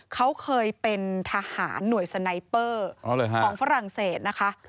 เขาเคยเป็นทหารหน่วยสไนเปอร์ของฝรั่งเศสนะคะ